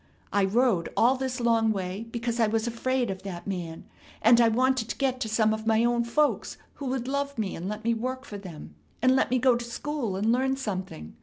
I rode all this long way because I was afraid of that man, and I wanted to get to some of my own folks, who would love me, and let me work for them, and let me go to school and learn something.